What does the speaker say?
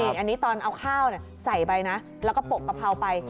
อันนี้ตอนเอาข้าวใส่ไปนะแล้วก็ปกกะเพราไป